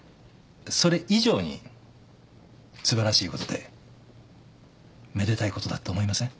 それ以上に素晴らしいことでめでたいことだって思いません？